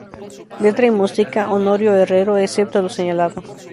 Letra y música: Honorio Herrero excepto lo señalado